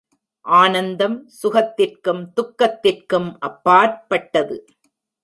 ஆனந்தம், சுகத்திற்கும் துக்கத்திற்கும் அப்பாற்பட்டது.